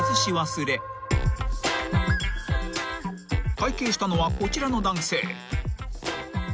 ［会計したのはこちらの男性］